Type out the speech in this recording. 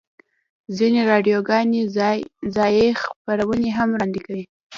ځینې راډیوګانې ځایی خپرونې هم وړاندې کوي